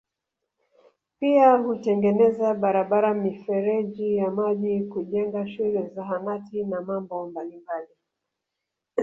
Pia hutengeneza barabara mifereji ya maji kujenga shule Zahanati na mambo mabalimbali